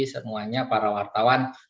semuanya para wartawan